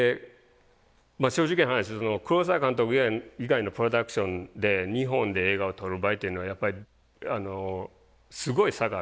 まあ正直な話黒澤監督以外のプロダクションで日本で映画を撮る場合っていうのはやっぱりすごい差があるんですね。